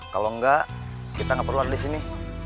kalau enggak kita nggak perlu ada di sini